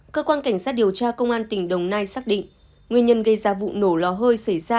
cơ quan cảnh sát điều tra công an tỉnh đồng nai xác định nguyên nhân gây ra vụ nổ lò hơi xảy ra